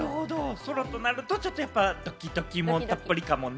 ソロとなると、ちょっとドキドキもどっぷりかもね。